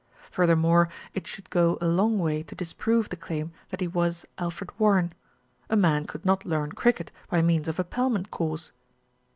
Furthermore, it should go a long way to disprove the claim that he was Alfred Warren. A man could not learn cricket by means of a Pelman course.